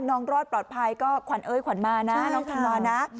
รอดปลอดภัยก็ขวัญเอ้ยขวัญมานะน้องธันวานะ